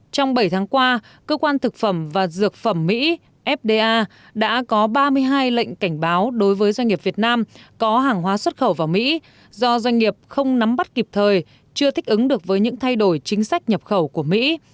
trong bảy tháng qua cơ quan thực phẩm và dược phẩm mỹ fda đã có ba mươi hai lệnh cảnh báo đối với doanh nghiệp việt nam có hàng hóa xuất khẩu vào mỹ do doanh nghiệp không nắm bắt kịp thời chưa thích ứng được với những thay đổi chính sách nhập khẩu của mỹ